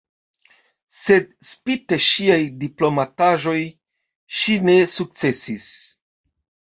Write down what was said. Sed spite ŝiaj diplomataĵoj ŝi ne sukcesis.